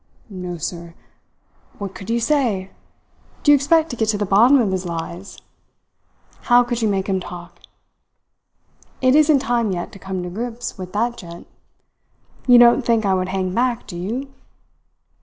"No, sir. What could you say? Do you expect to get to the bottom of his lies? How could you make him talk? It isn't time yet to come to grips with that gent. You don't think I would hang back, do you?